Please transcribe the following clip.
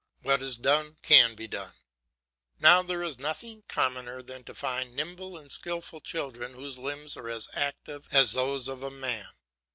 What is done can be done. Now there is nothing commoner than to find nimble and skilful children whose limbs are as active as those of a man.